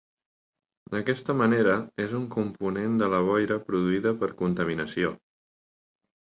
D'aquesta manera, és un component de la boira produïda per contaminació.